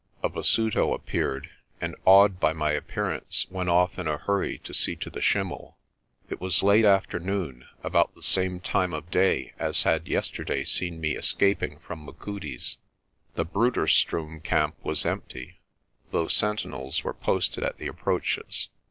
A Basuto appeared, and, awed by my appearance, went off in a hurry to see to the schlmmel. It was late afternoon, about the same time of day as had yesterday seen me escap ing from Machudi's. The Bruderstroom camp was empty, though sentinels were posted at the approaches.